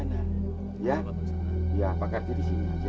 iya pak kardi disini aja